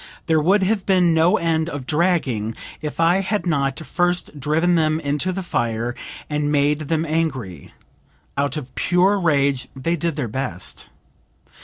There would have been no end of dragging if I had not first driven them into the fire and made them angry. Out of pure rage they did their best."